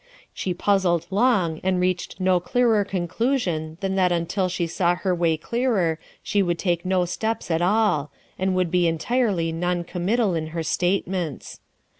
She puzzled long and reached no clearer conclusion than that until she saw her way clearer she would take no steps at all, and would be entirely noncommittal in her statements.